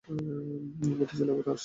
বেটা ছেলে আবার আরশি নিয়ে কি হবে?